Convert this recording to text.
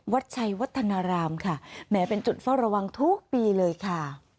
วัดชัยวัฒนารามค่ะแหมเป็นจุดเฝ้าระวังทุกปีเลยค่ะ